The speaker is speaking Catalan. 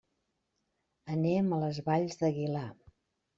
Anem a les Valls d'Aguilar.